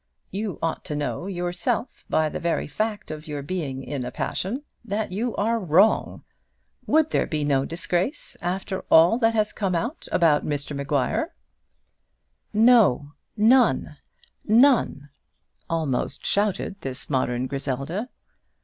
You ought to know, yourself, by the very fact of your being in a passion, that you are wrong. Would there be no disgrace, after all that has come out about Mr Maguire?" "No, none none!" almost shouted this modern Griselda.